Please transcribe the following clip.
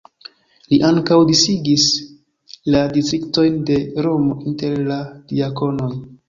Li ankaŭ disigis la distriktojn de Romo inter la diakonoj.